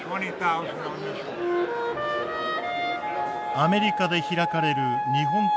アメリカで開かれる日本刀の展示